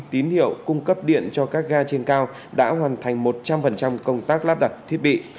tín hiệu cung cấp điện cho các ga trên cao đã hoàn thành một trăm linh công tác lắp đặt thiết bị